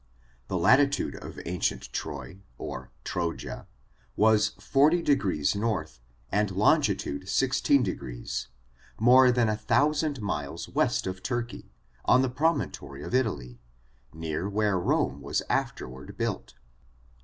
The latitude of ancient Troy, or Troja, was 40^ north, and longitude 16^, more than a thousand miles west of Turkey, on the promontory of Itoly, near where Rome was afterward built.